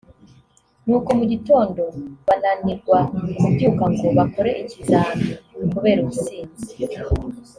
nuko mu gitondo bananirwa kubyuka ngo bakore ikizami kubera ubusinzi